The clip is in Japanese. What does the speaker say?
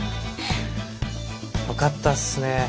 よかったっすね